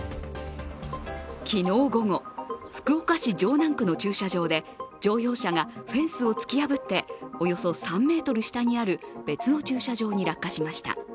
昨日午後、福岡市城南区の駐車場で乗用車がフェンスを突き破っておよそ３ｍ下にある別の駐車場に落下しました。